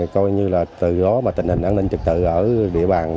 coi như là từ đó mà tình hình an ninh trực tự ở địa bàn nó ổn định